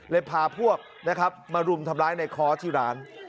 เลยพาพวกมารุมทำร้ายในค้อที่ร้าน